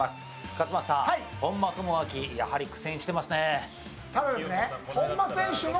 勝俣さん、本間朋晃やはり苦戦してますね。